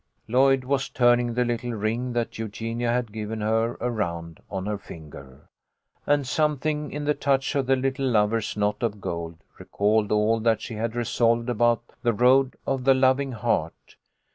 Lloyd was turning the little ring that Eugenia had given her around on her finger, and something in the touch of the little lover's knot of gold recalled all that she had resolved about the " Road of the Loving Heart."